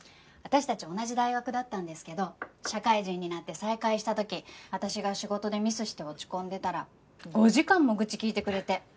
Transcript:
私たち同じ大学だったんですけど社会人になって再会した時私が仕事でミスして落ち込んでたら５時間も愚痴聞いてくれて。